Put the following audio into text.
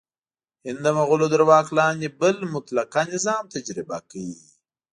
هند د مغولو تر واک لاندې بل مطلقه نظام تجربه کړ.